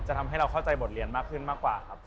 ทำให้เราเข้าใจบทเรียนมากขึ้นมากกว่าครับ